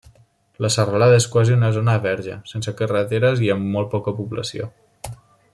La serralada és quasi una zona verge, sense carreteres i amb molt poca població.